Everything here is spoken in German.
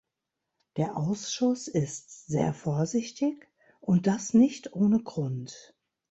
Der Ausschuss ist sehr vorsichtig, und das nicht ohne Grund.